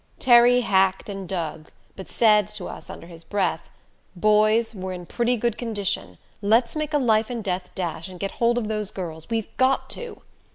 Terry hacked and dug, but said to us under his breath. "Boys, we're in pretty good condition let's make a life and death dash and get hold of those girls we've got to."